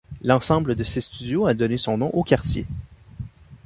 L'ensemble de ces studios a donné son nom au quartier.